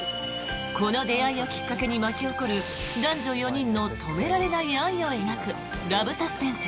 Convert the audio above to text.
この出会いをきっかけに巻き起こる男女４人の止められない愛を描くラブサスペンス